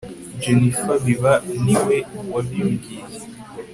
jennifer biba niwe wabimbwiye